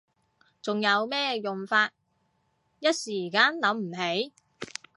仲有咩用法？一時間諗唔起